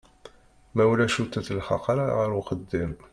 Ma ulac ur tettelḥaq ara ɣer uxeddim.